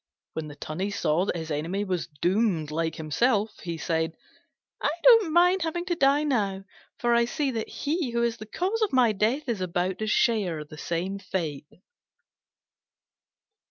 When the Tunny saw that his enemy was doomed like himself, he said, "I don't mind having to die now: for I see that he who is the cause of my death is about to share the same fate."